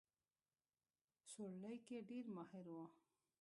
سورلۍ کې ډېر ماهر وو.